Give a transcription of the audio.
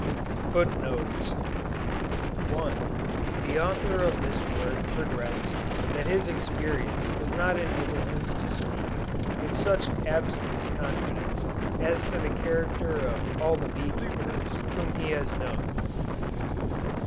FOOTNOTES: The author of this work regrets that his experience does not enable him to speak with such absolute confidence as to the character of all the bee keepers whom he has known.